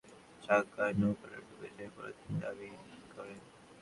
ধারণক্ষমতার প্রায় দ্বিগুণ যাত্রী থাকায় নৌকাটি ডুবে যায় বলে তিনি দাবি করেন।